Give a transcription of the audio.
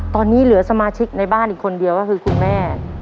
ตอนนี้เหลือสมาชิกในบ้านอีกคนเดียวก็คือคุณแม่